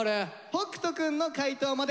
北斗くんの解答まで。